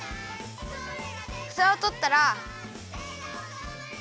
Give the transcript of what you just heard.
ふたをとったら。